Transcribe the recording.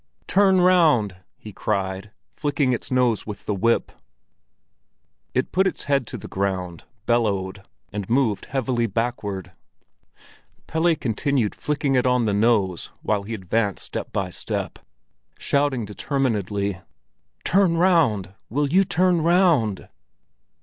"Turn round!" he cried, flicking its nose with the whip. It put its head to the ground, bellowed, and moved heavily backward. Pelle continued flicking it on the nose while he advanced step by step, shouting determinedly: "Turn round! Will you turn round!"